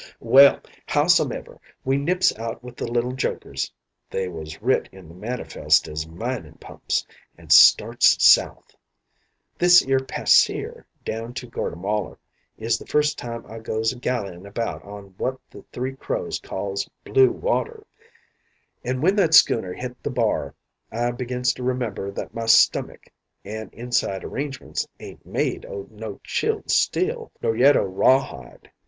"Well, how some ever, we nips out with the little Jokers (they was writ in the manifest as minin' pumps) an' starts south. This 'ere pasear down to Gortamalar is the first time I goes a gallying about on what the Three Crows calls 'blue water'; and when that schooner hit the bar I begins to remember that my stummick and inside arrangements ain't made o' no chilled steel, nor yet o' rawhide.